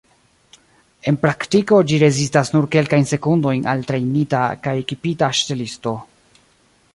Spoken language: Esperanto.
En praktiko, ĝi rezistas nur kelkajn sekundojn al trejnita kaj ekipita ŝtelisto.